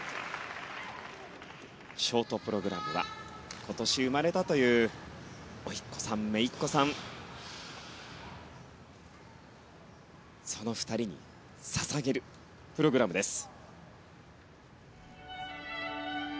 ショートプログラムは今年生まれたというおいっ子さん、めいっ子さんその２人に捧げるプログラムです。